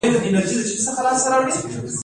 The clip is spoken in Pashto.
د لوګر په خروار کې د څه شي نښې دي؟